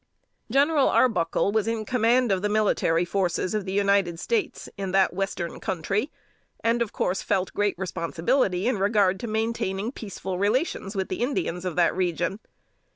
General Arbuckle was in command of the military forces of the United States in that Western Country, and of course felt great responsibility in regard to maintaining peaceful relations with the Indians of that region.